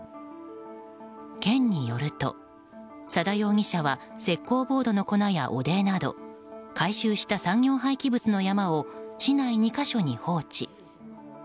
県によると、佐田容疑者は石膏ボードの粉や汚泥など回収した産業廃棄物の山を市内２か所に放置。